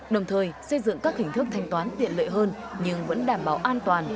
đồng thời xây dựng các hình thức thanh toán tiện lợi hơn nhưng vẫn đảm bảo an toàn